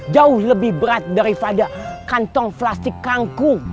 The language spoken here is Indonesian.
jauh lebih berat daripada kantong plastik kangkung